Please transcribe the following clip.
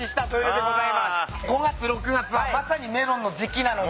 ５月６月はまさにメロンの時季なので。